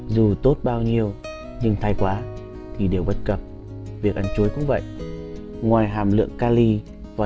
dù tốt bao nhiêu nhưng thay quá thì đều bất cập việc ăn chuối cũng vậy ngoài hàm lượng kali và